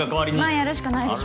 まあやるしかないでしょ。